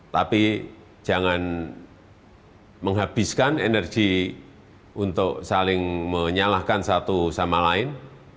tapi jangan menghabiskan energi untuk saling menyalahkan satu sama lain